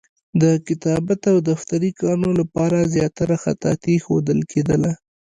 د کتابت او دفتري کارونو لپاره زیاتره خطاطي ښودل کېدله.